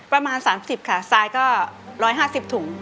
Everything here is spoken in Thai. ประมาณ๓๐ค่ะทรายก็๑๕๐ถุง